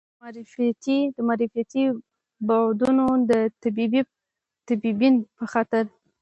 د معرفتي بعدونو د تبیین په خاطر.